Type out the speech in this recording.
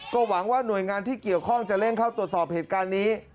ก็หวังว่าหน่วยงานที่เกี่ยวข้องจะเร่งเข้าตรวจสอบเหตุการณ์นี้